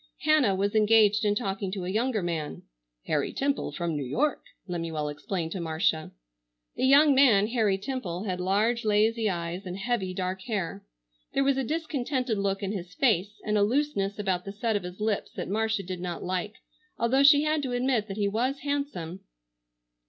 Hannah was engaged in talking to a younger man. "Harry Temple, from New York," Lemuel explained to Marcia. The young man, Harry Temple, had large lazy eyes and heavy dark hair. There was a discontented look in his face, and a looseness about the set of his lips that Marcia did not like, although she had to admit that he was handsome.